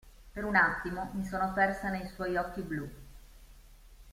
Per un attimo mi sono persa nei suoi occhi blu.